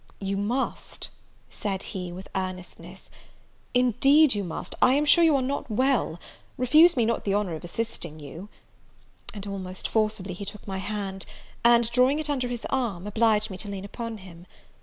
"You must," said he, with earnestness, "indeed you must, I am sure you are not well; refuse me not the honour of assisting you;" and, almost forcibly, he took my hand, and, drawing it under his arm, obliged me to lean upon him.